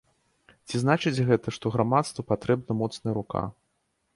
Ці значыць гэта, што грамадству патрэбна моцная рука?